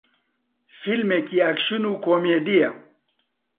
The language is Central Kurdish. فیلمێکی ئەکشن و کۆمێدییە